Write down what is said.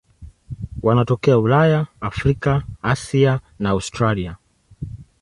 Wanatokea Ulaya, Afrika, Asia na Australia.